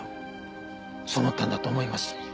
そう思ったんだと思います。